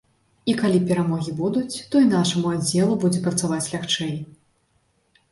І калі перамогі будуць, то і нашаму аддзелу будзе працаваць лягчэй.